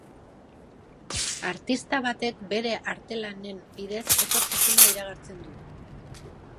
Artista batek bere artelanen bidez etorkizuna iragartzen du.